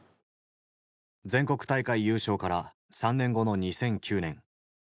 全国大会優勝から３年後の２００９年。